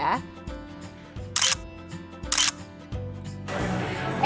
jangan lupa berfoto juga ya